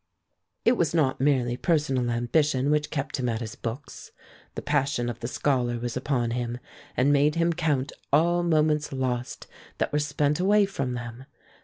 It was not merely personal ambition which kept him at his books; the passion of the scholar was upon him and made him count all moments lost that were spent away from them.